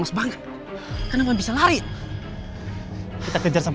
membantu ngeliat taksi mesin